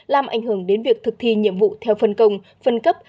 làm ảnh hưởng đến việc thực thi nhiệm vụ theo phân công phân cấp